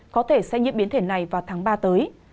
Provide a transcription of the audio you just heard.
có thể sẽ nhiễm biến thể này vào tháng ba tới